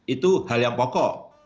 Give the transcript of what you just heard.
itu hal yang pokok